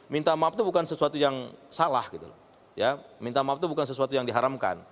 minta maaf itu bukan sesuatu yang salah minta maaf itu bukan sesuatu yang diharamkan